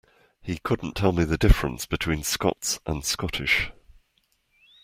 He couldn't tell me the difference between Scots and Scottish